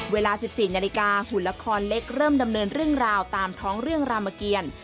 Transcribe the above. เวลา๑๔นาฬิกาหุ่นละครเล็กเริ่มดำเนินเรื่องราวตามท้องเรื่องรามเกียร